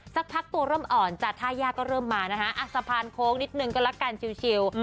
สักพักตัวเริ่มอ่อนจากท่ายากก็เริ่มมานะคะสะพานโค้งนิดนึงก็ละกันชิล